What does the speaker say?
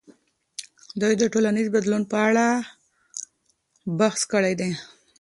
دوی د ټولنیز بدلون په اړه بحث کړی دی.